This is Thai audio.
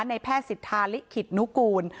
ในแพทย์สิทธาลิขิตนุกูล